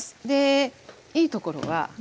でいいところは。